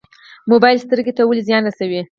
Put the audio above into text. موبایل سترګو ته ولې زیان رسوي؟